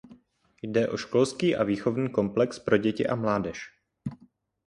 Jde o školský a výchovný komplex pro děti a mládež.